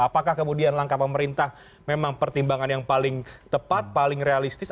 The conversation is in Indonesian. apakah kemudian langkah pemerintah memang pertimbangan yang paling tepat paling realistis